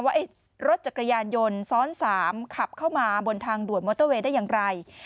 ว่ารถจักรยานยนต์ซ้อน๓ขับเข้ามาบนทางด่วนมอเตอร์เวย์ได้อย่างไร